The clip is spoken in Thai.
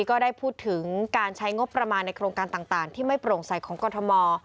ก็ได้พูดถึงการใช้งบประมาณในโครงการต่างที่ไม่โปร่งใสของกรทม